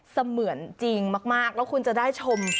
เสมือนจริงมากแล้วคุณจะได้ชม